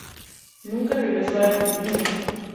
Nunca regresó a la Argentina.